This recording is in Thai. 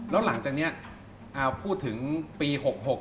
แล้วหลังจากนี้พูดถึงปี๖๖